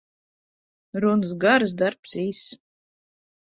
Runas garas, darbs īss.